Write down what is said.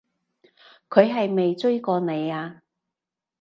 佢係咪追過你啊？